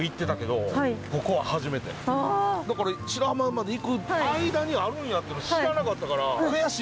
だから白浜まで行く間にあるんやって知らなかったから悔しいね。